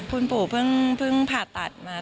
คุณปู่เพิ่งผ่าตัดมา